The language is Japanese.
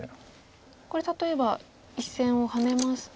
これ例えば１線をハネますと。